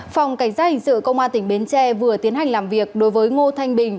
phòng cảnh sát hình sự công an tỉnh bến tre vừa tiến hành làm việc đối với ngô thanh bình